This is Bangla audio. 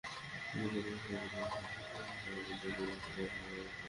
কিন্তু গতকাল সকালে পীরখাইন রাস্তার মাথায় দুই গ্রামের লোকজনের মধ্যে কথা-কাটাকাটি হয়।